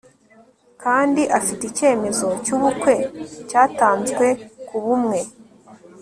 kandi afite icyemezo cyubukwe cyatanzwe kubumwe